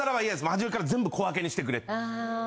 初めから全部小分けにしてくれって。